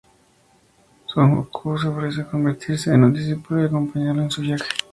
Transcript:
Son Goku se ofrece a convertirse en su discípulo y acompañarlo en su viaje.